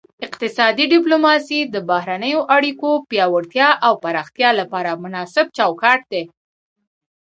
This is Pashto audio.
اقتصادي ډیپلوماسي د بهرنیو اړیکو پیاوړتیا او پراختیا لپاره مناسب چوکاټ دی